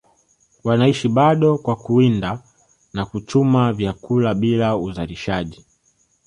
wanaishi bado kwa kuwinda na kuchuma vyakula bila uzalishaji